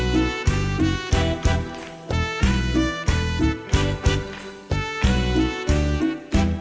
นะครับ